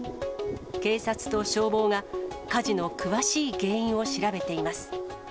警察と消防が火事の詳しい原因を調べています。